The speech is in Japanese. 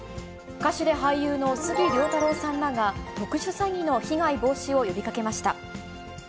歌手で俳優の杉良太郎さんらが、特殊詐欺の被害防止を呼びかけました。